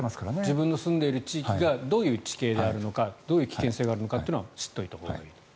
自分の住んでいる地域がどういう地形であるかどういう危険性があるか知っておいたほうがいいと。